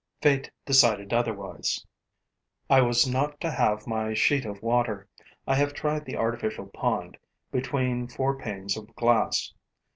Fate decided otherwise: I was not to have my sheet of water. I have tried the artificial pond, between four panes of glass.